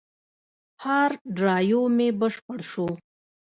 هارد ډرایو مې بشپړ شو.